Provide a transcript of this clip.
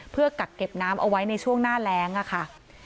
เพื่อกักเก็บน้ำเอาไว้ในช่วงหน้าแรงค่ะ